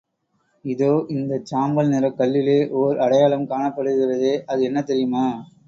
இதோ இந்தச் சாம்பல் நிறக்கல்லிலே ஓர் அடையாளம் காணப்படுகிறதே இது என்ன தெரியுமா?